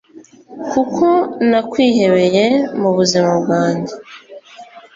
Kuko nakwihebeye mu buzima bwanjye